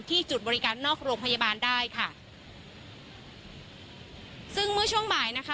จุดบริการนอกโรงพยาบาลได้ค่ะซึ่งเมื่อช่วงบ่ายนะคะ